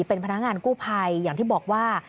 เป็นพนักงานกู้ภัยอย่างที่บอกว่า